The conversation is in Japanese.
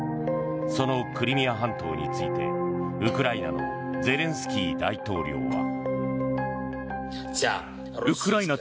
そのクリミア半島についてウクライナのゼレンスキー大統領は。